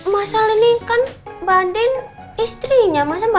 masal ini kan badan istrinya mas